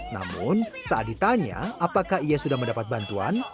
namun saat ditanya apakah ia sudah mendapat bantuan